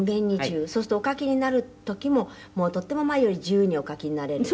「そうするとお書きになる時ももうとても前より自由にお書きになれる？」